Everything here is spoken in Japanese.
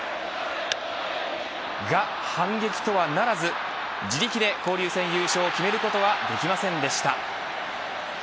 が、反撃とはならず自力で交流戦優勝を決めることはできませんでした。